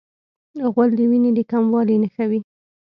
غول د وینې د کموالي نښه وي.